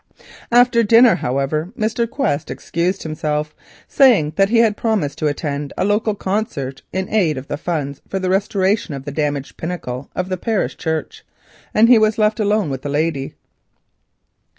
After dinner, however, Mr. Quest excused himself, saying that he had promised to attend a local concert in aid of the funds for the restoration of the damaged pinnacle of the parish church, and he was left alone with the lady.